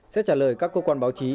sẽ trả lời các cơ quan báo chí